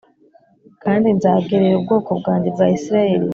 Kandi nzagerera ubwoko bwanjye bwa Isirayeli